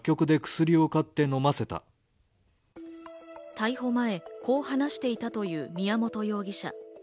逮捕前、こう話していたという宮本容疑者。